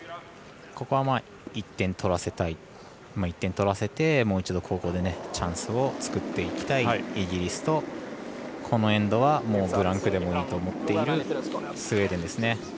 ここは１点取らせてもう一度後攻でチャンスを作っていきたいイギリスとこのエンドは、もうブランクでもいいと思っているスウェーデンですね。